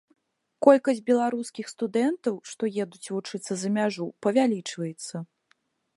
Колькасць беларускіх студэнтаў, што едуць вучыцца за мяжу, павялічваецца.